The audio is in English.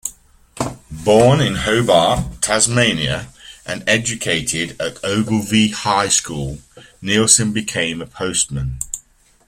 Born in Hobart, Tasmania, and educated at Ogilvie High School, Neilson became a postman.